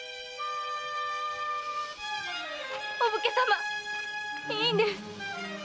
お武家様いいんです。